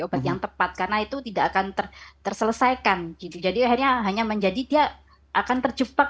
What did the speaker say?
obat yang tepat karena itu tidak akan terselesaikan gitu jadi akhirnya hanya menjadi dia akan terjebak